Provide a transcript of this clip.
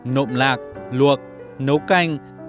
nộm lạc luộc nấu canh